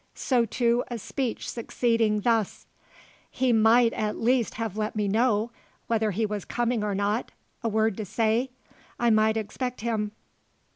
So too a speech succeeding, thus: "He might at least have let me know, whether he was coming or not a word to say, I might expect him.